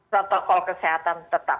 protokol kesehatan tetap